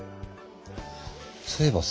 そういえばさ。